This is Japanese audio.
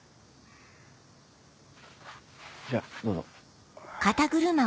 じゃどうぞ。